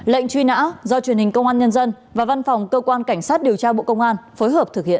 lệnh truy nã do truyền hình công an nhân dân và văn phòng cơ quan cảnh sát điều tra bộ công an phối hợp thực hiện